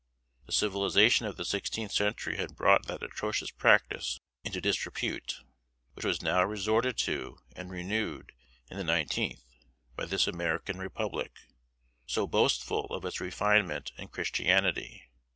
The civilization of the sixteenth century had brought that atrocious practice into disrepute, which was now resorted to and renewed in the nineteenth, by this American Republic, so boastful of its refinement and Christianity.